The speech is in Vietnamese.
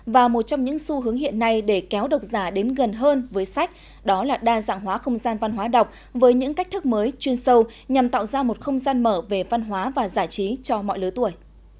và một trong những xu hướng hiện nay để kéo đọc giả đến gần hơn với sách đó là đa dạng hóa không gian văn hóa đọc với những cách thức mới chuyên sâu nhằm tạo ra một không gian mở về văn hóa và giải trí cho mọi lứa tuổi